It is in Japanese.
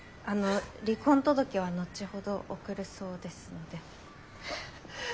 あの離婚届は後ほど送るそうですので。